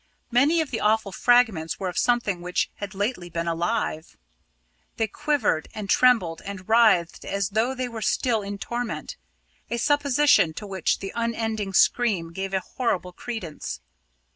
Many of the awful fragments were of something which had lately been alive. They quivered and trembled and writhed as though they were still in torment, a supposition to which the unending scream gave a horrible credence.